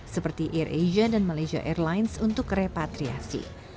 seperti air asian dan malaysia airlines untuk repatriasi